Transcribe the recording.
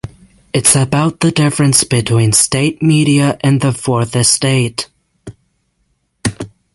It’s about the difference between state media and the fourth estate.